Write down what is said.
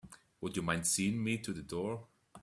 Would you mind seeing me to the door?